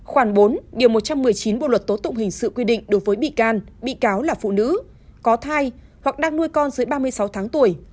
khoảng bốn điều một trăm một mươi chín bộ luật tố tụng hình sự quy định đối với bị can bị cáo là phụ nữ có thai hoặc đang nuôi con dưới ba mươi sáu tháng tuổi